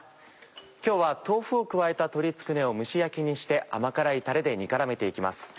今日は豆腐を加えた鶏つくねを蒸し焼きにして甘辛いたれで煮絡めて行きます。